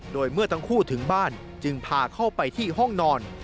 โดยเมื่อทั้งคู่ถึงบ้านจึงพาเข้าไปที่ห้องนอน